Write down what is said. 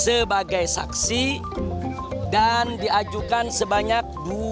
sebagai saksi dan diajukan sebanyak dua puluh